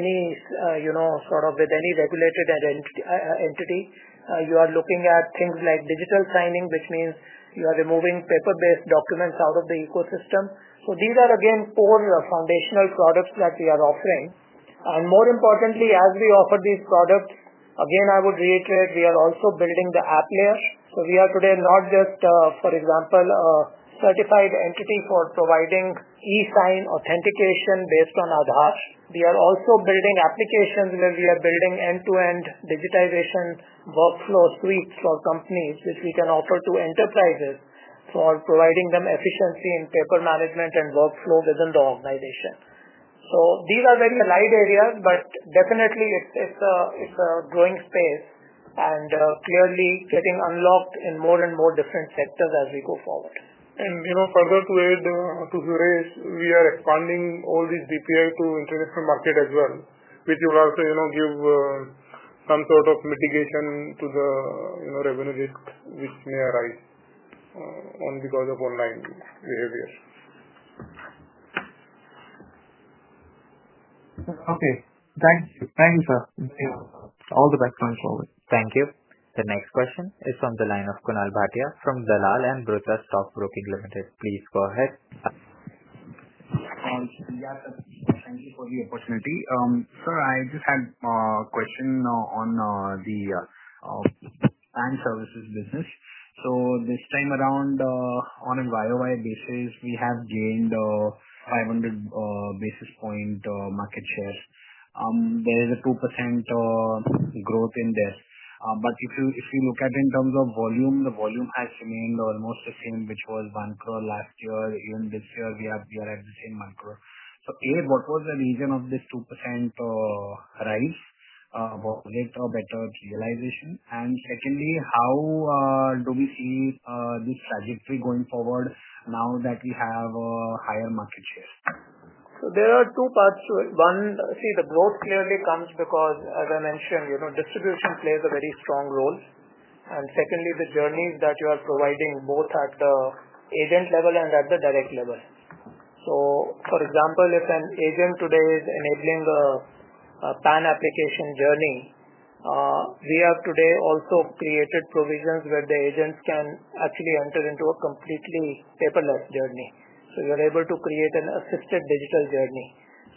regulated entity. You are looking at things like digital signing, which means you are removing paper-based documents out of the ecosystem. These are, again, four foundational products that we are offering. More importantly, as we offer these products, I would reiterate we are also building the app layer. We are today not just, for example, a certified entity for providing eSign authentication based on Aadhaar. We are also building applications where we are building end-to-end digitization workflow suites for companies which we can offer to enterprises for providing them efficiency in paper management and workflow within the organization. These are very allied areas, but definitely, it's a growing space and clearly getting unlocked in more and more different sectors as we go forward. Further to raise, we are expanding all these DPIs to the international market as well, which will also give some sort of mitigation to the revenue leak which may arise because of online behavior. Okay, thanks. Thanks, sir. It's all the best going forward. Thank you. The next question is from the line of Kunal Bhatia from Dalal & Broacha Stock Broking Ltd. Please go ahead. Yes. Thank you for the opportunity. Sir, I just had a question on the PAN services business. This time around, on a YoY basis, we have gained 500 basis point market share. There is a 2% growth in this. If you look at it in terms of volume, the volume has remained almost the same, which was 1 crore last year. Even this year, we are at the same 1 crore. What was the reason of this 2% rise? About later or better realization. Secondly, how do we see this trajectory going forward now that you have a higher market share? There are two parts to it. One, see, the growth clearly comes because, as I mentioned, distribution plays a very strong role. Secondly, the journey that you are providing both at the agent level and at the direct level. For example, if an agent today is enabling a PAN application journey, we have today also created provisions where the agents can actually enter into a completely paperless journey. You are able to create an assisted digital journey.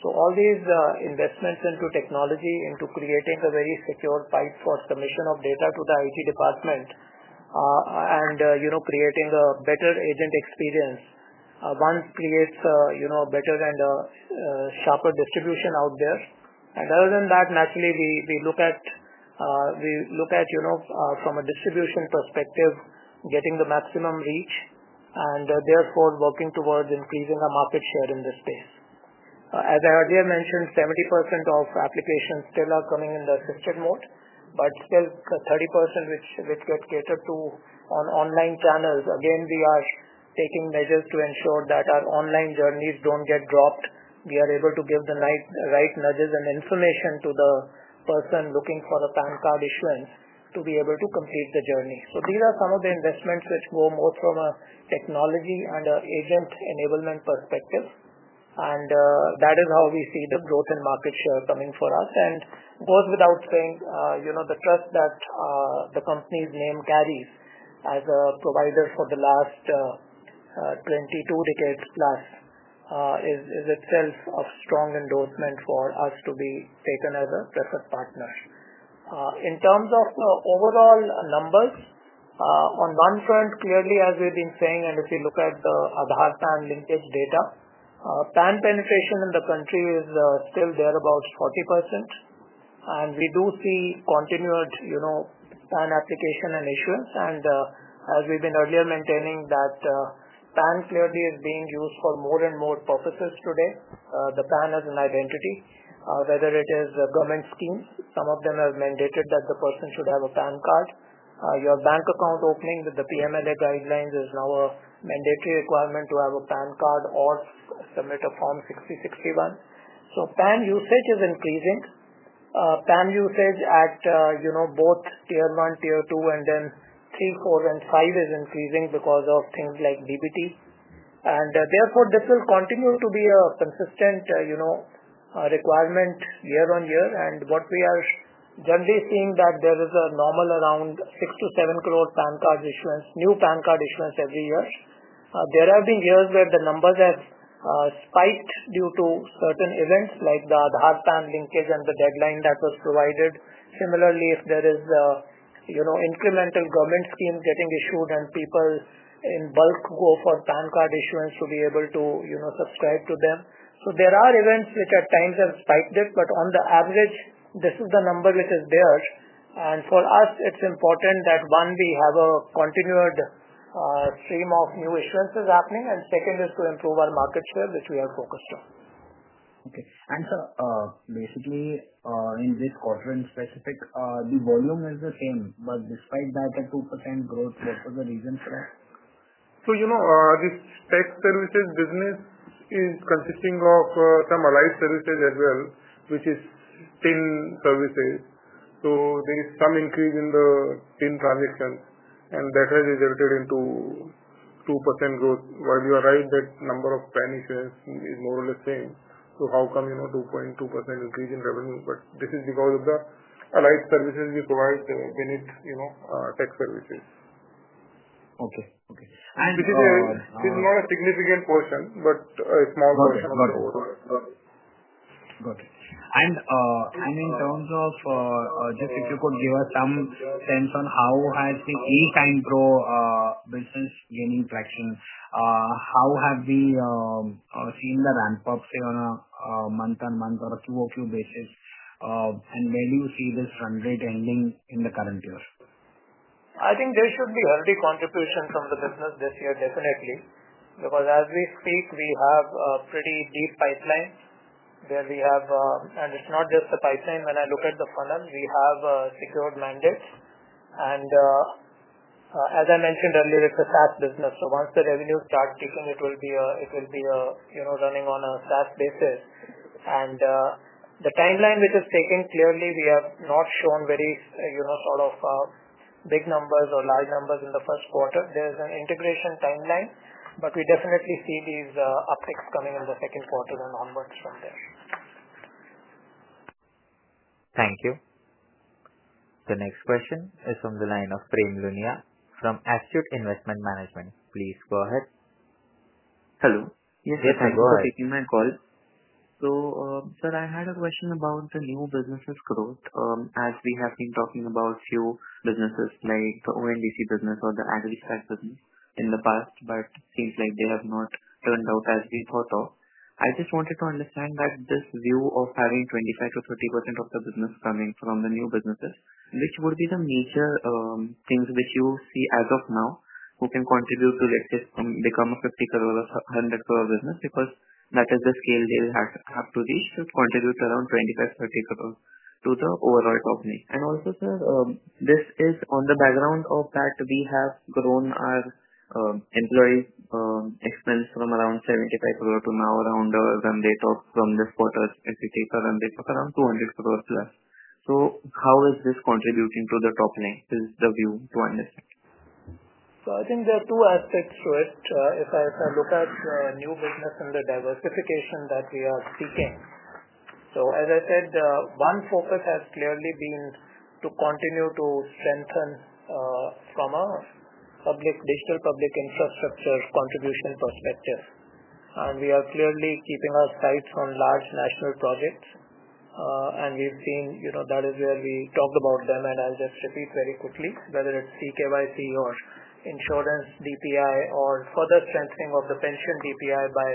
All these investments into technology, into creating a very secure pipe for submission of data to the IT department, and creating a better agent experience, create a better and a sharper distribution out there. Other than that, naturally, we look at, from a distribution perspective, getting the maximum reach and therefore working towards increasing our market share in this space. As I earlier mentioned, 70% of applications still are coming in the assisted mode, but still the 30% which get catered to on online channels. Again, we are taking measures to ensure that our online journeys don't get dropped. We are able to give the right nudges and information to the person looking for a PAN card issuance to be able to complete the journey. These are some of the investments which go more from a technology and an agent enablement perspective. That is how we see the growth in market share coming for us. It goes without saying, the trust that the company's name carries as a provider for the last 22 years plus is itself a strong endorsement for us to be taken as a preferred partner. In terms of overall numbers, on one front, clearly, as we've been saying, and if you look at the Aadhaar PAN linkage data, PAN penetration in the country is still thereabout 40%. We do see continued PAN application and issuance. As we've been earlier mentioning, PAN clearly is being used for more and more purposes today. The PAN as an identity, whether it is government schemes, some of them have mandated that the person should have a PAN card. Your bank account opening with the PMLA guidelines is now a mandatory requirement to have a PAN card or submit a Form 60/61. PAN usage is increasing. PAN usage at both Tier-1, Tier-2, and then 3, 4, and 5 is increasing because of things like DBT. Therefore, this will continue to be a consistent requirement year on year. What we are generally seeing is that there is a normal around 6 crore to 7 crore PAN card issuance, new PAN card issuance every year. There have been years where the numbers have spiked due to certain events like the Aadhaar-PAN linkage and the deadline that was provided. Similarly, if there is, you know, incremental government schemes getting issued and people in bulk go for PAN card issuance to be able to, you know, subscribe to them. There are events which at times have spiked it, but on the average, this is the number which is there. For us, it's important that, one, we have a continued stream of new issuances happening and second is to improve our market share, which we are focused on. Okay. Sir, basically, in this quarter in specific, the volume is the same, but despite that, the 2% growth, what was the reason for that? You know, this tech services business is consisting of some allied services as well, which is TIN services. There is some increase in the TIN transactions, and that has resulted in 2% growth. While you are right that number of PAN is more or less the same, how come, you know, 2.2% increase in revenue? This is because of the allied services we provide to finish, you know, tech services. Okay. This is a. It is not a significant portion, but it's not. A portion of a total. Got it. In terms of, just if you could give us some sense on how has the INR 8 crore business gaining traction, how have we seen the ramp-ups on a month-on-month or a two-or-two basis, and where do you see this run rate ending in the current year? I think there should be already contributions from the business this year, definitely. Because as we speak, we have a pretty deep pipeline where we have, and it's not just the pipeline. When I look at the funnel, we have secured mandates. As I mentioned earlier, it's a SaaS business. Once the revenue starts peaking, it will be running on a SaaS basis. The timeline which is taken, clearly, we have not shown very big numbers or large numbers in the first quarter. There's an integration timeline, but we definitely see these upticks coming in the second quarter and onwards from there. Thank you. The next question is from the line of Prem Luniya from Astute Investment Management. Please go ahead. Hello. Yes, I'm taking my call. Sir, I had a question about the new business's growth. As we have been talking about a few businesses like the ONDC business or the AgriStack business in the past, it seems like they have not turned out as we thought of. I just wanted to understand this view of having 25%-30% of the business coming from the new businesses, which would be the major things which you see as of now, who can contribute to, let's just become a 50 crore or 100 crore business because that is the scale they'll have to reach to contribute around 25 crore, 30 crore to the overall company. Also, sir, this is on the background of that we have grown our employee excellence from around 75 crore to now around the run rate of from this quarter, as we take the run rate of around 200 crore plus. How is this contributing to the top line? Is the view to understand? I think there are two aspects to it. If I look at the new business and the diversification that we are seeking, one focus has clearly been to continue to strengthen, from a digital public infrastructure contribution perspective. We are clearly keeping our sights on large national projects. We've seen that is where we talked about them and as they're stepping very quickly, whether it's CKYC or insurance DPI or further strengthening of the pension DPI by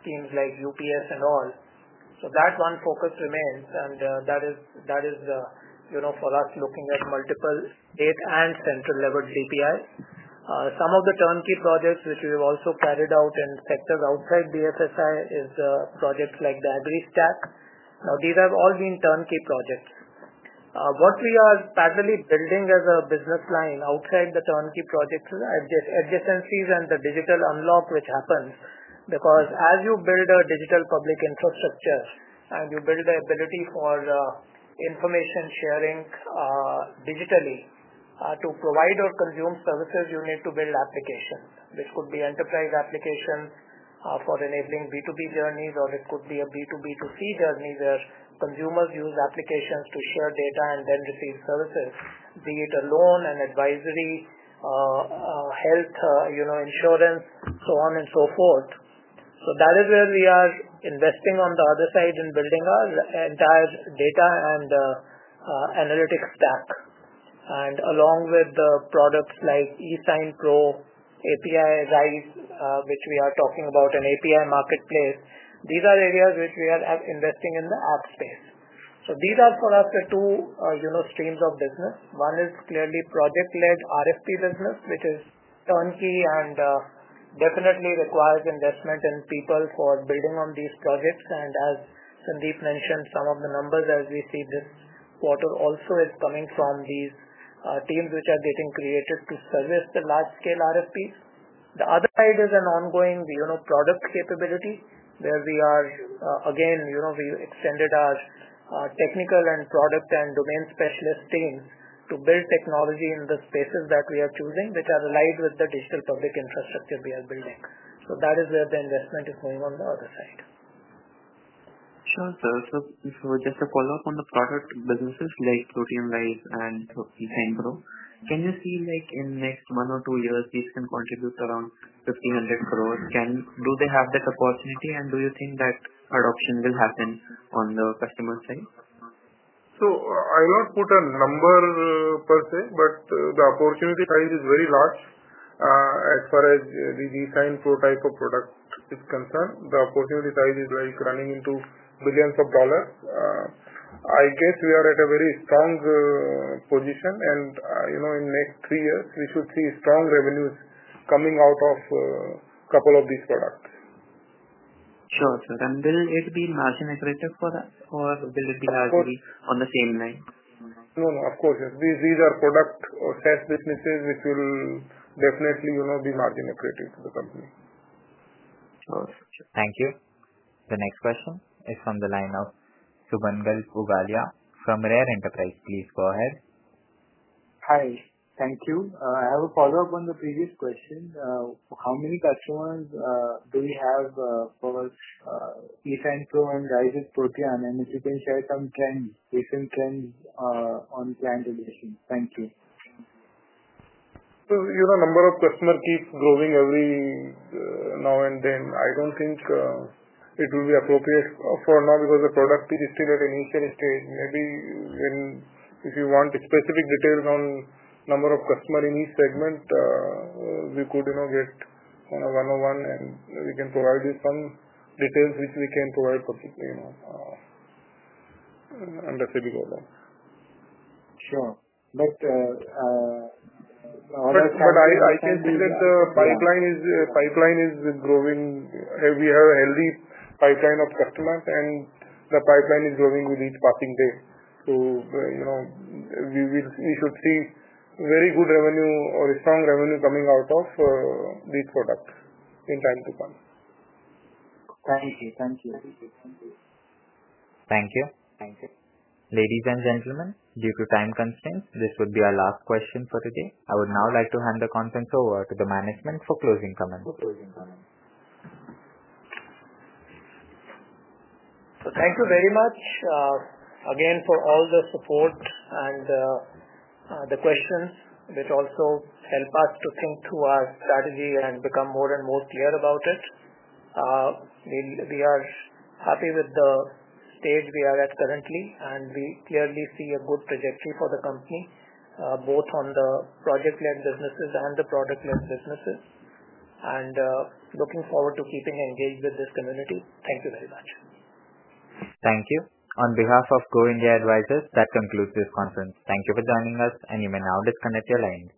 schemes like the UPS and all. That one focus remains. That is, for us, looking at multiple state and central level DPIs. Some of the turnkey projects which we've also carried out in sectors outside BFSI are projects like the AgriStack. These have all been turnkey projects. What we are presently building as a business plan outside the turnkey project adjacencies and the digital unlock which happens because as you build a digital public infrastructure and you build the ability for information sharing digitally, to provide or consume services, you need to build applications. This could be enterprise applications for enabling B2B journeys, or it could be a B2B2C journey where consumers use applications to share data and then receive services, be it a loan and advisory, health, insurance, so on and so forth. That is where we are investing on the other side in building our entire data and analytics stack. Along with the products like eSign Pro, API RISE, which we are talking about, and API marketplace, these are areas which we are investing in the app space. These are for us the two streams of business. One is clearly project-led RFP business, which is turnkey and definitely requires investment in people for building on these projects. As Sandeep mentioned, some of the numbers as we see this quarter also is coming from these teams which are getting created to service the large-scale RFPs. The other side is an ongoing product capability where we are, again, we extended our technical and product and domain specialist team to build technology in the spaces that we are choosing, which are allied with the digital public infrastructure we are building. That is where the investment is going on the other side. Sir, just a follow-up on the product businesses like Protean RISE and eSign Pro. Can you see in the next one or two years, these can contribute around 1,500 crore? Do they have that opportunity? Do you think that adoption will happen on the customer side? I won't put a number per se, but the opportunity size is very large. As far as the eSign Pro type of product is concerned, the opportunity size is like running into billions of dollars. I guess we are at a very strong position. You know, in the next three years, we should see strong revenues coming out of a couple of these products. Sure, sir. Will it be margin accretive for that, or will it be largely on the same line? No, of course. These are product or SaaS businesses which will definitely, you know, be margin accretive to the company. Sure. Thank you. The next question is from the line of Sumangal Pugalia from RaRe Enterprise. Please go ahead. Hi. Thank you. I have a follow-up on the previous question. How many customers do we have for eSign Pro and Rise with Protean? If you can share some trends, recent trends on PAN tradition. Thank you. The number of customers keeps growing every now and then. I don't think it will be appropriate for now because the product is still at an initial stage. Maybe if you want specific details on the number of customers in each segment, we could just one-on-one and we can provide some details which we can provide for you understandable amount. Sure. But. The pipeline is growing. We have a healthy pipeline of customers, and the pipeline is growing with each passing day. You should see very good revenue or a strong revenue coming out of these products in time to come. Thank you. Thank you. Thank you. Thank you. Ladies and gentlemen, due to time constraints, this would be our last question for today. I would now like to hand the contents over to the management for closing comments. Thank you very much, again, for all the support and the questions which also help us to think through our strategy and become more and more clear about this. We are happy with the stage we are at currently, and we clearly see a good trajectory for the company, both on the project-led businesses and the product-led businesses. We are looking forward to keeping engaged with this community. Thank you very much. Thank you. On behalf of Go India Advisors, that concludes this conference. Thank you for joining us, and you may now disconnect your line.